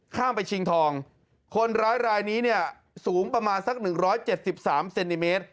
ข้ามไปชิงทองคนร้ายรายนี้เนี่ยสูงประมาณสักหนึ่งร้อยเจ็ดสิบสามเซนติเมตร